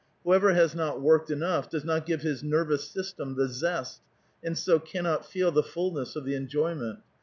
Whoever has not worked enough does not give his nervous system the zest, and so cannot feel the fulness of the enjoyment.